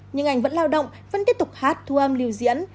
nhưng anh vẫn lao động vẫn tiếp tục hát thu âm lưu diễn